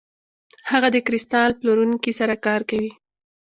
هغه د کریستال پلورونکي سره کار کوي.